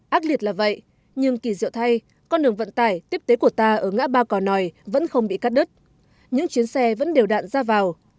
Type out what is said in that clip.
ác liệt là vậy nhưng kỳ diệu thay con đường vận tải tiếp tế của ta ở ngã ba cỏ nòi vẫn không bị cắt đứt những chuyến xe vẫn đều đạn ra vào